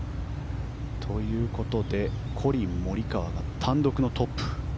ということでコリン・モリカワが単独トップ。